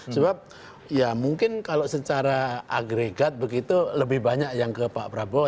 sebab ya mungkin kalau secara agregat begitu lebih banyak yang ke pak prabowo